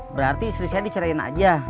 berarti istri saya dicerahin aja